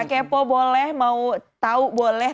kepo boleh mau tahu boleh